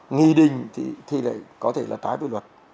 nghị định thì có thể trái với luật